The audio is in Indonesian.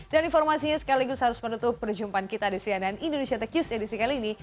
dan informasinya sekaligus harus menutup perjumpaan kita di sianan indonesia tech news edisi kali ini